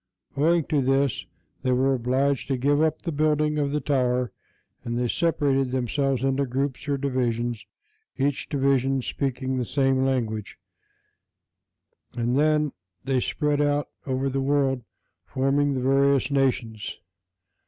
Owing to this, they were obliged to give up the building of the tower, and they separated themselves into groups, or divisions, each division speaking the same language, and then they spread out over the world, forming the various nations.